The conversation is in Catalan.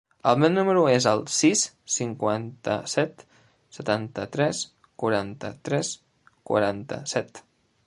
El meu número es el sis, cinquanta-set, setanta-tres, quaranta-tres, quaranta-set.